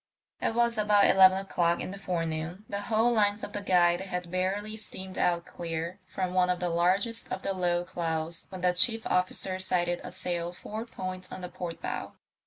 It was about eleven o'clock in the forenoon; the whole length of the Guide had barely steamed out clear from one of the largest of the low clouds when the chief officer sighted a sail four points on the port bow.